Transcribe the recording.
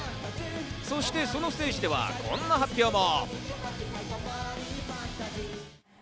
そしてそのステージではこんな発表も。